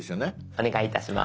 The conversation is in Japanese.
お願いいたします。